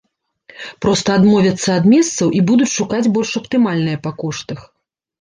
Проста адмовяцца ад месцаў і будуць шукаць больш аптымальныя па коштах.